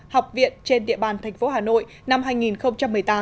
học viện trên địa bàn tp hà nội năm hai nghìn một mươi tám